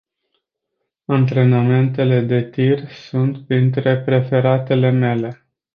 Antrenamentele de tir sunt printre preferatele mele.